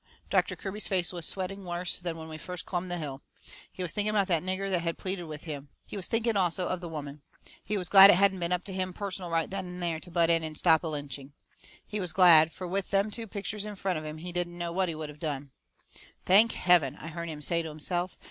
Doctor Kirby's face was sweating worse than when we first clumb the hill. He was thinking about that nigger that had pleaded with him. He was thinking also of the woman. He was glad it hadn't been up to him personal right then and there to butt in and stop a lynching. He was glad, fur with them two pictures in front of him he didn't know what he would of done. "Thank heaven!" I hearn him say to himself.